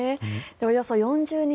およそ４０日